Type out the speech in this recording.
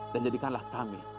dan jadikanlah kami